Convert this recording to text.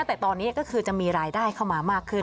แต่ตอนนี้ก็คือจะมีรายได้เข้ามามากขึ้น